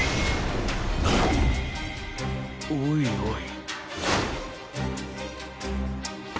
おいおい。